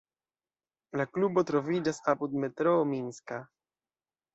La klubo troviĝas apud metroo Minska.